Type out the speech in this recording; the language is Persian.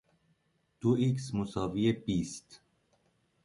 بیست = xx